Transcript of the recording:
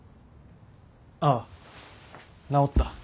ああ治った。